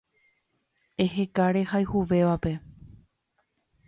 Eheka rehayhuvévape